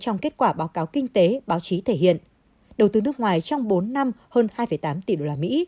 trong kết quả báo cáo kinh tế báo chí thể hiện đầu tư nước ngoài trong bốn năm hơn hai tám tỷ đô la mỹ